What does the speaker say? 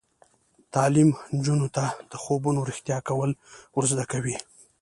تعلیم نجونو ته د خوبونو رښتیا کول ور زده کوي.